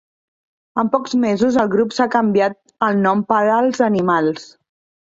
En pocs mesos el grup s'ha canviat el nom per "els animals".